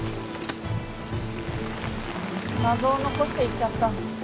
謎を残して行っちゃった。